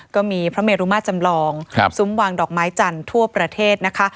ก็มีพระเมรุมาจำลองซุ้มวางดอกไม้จันทร์ทั่วประเทศนะคะ